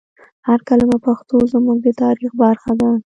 هر کلمه پښتو زموږ د تاریخ برخه ده.